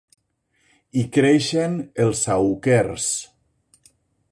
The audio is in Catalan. Hi creixen els saüquers.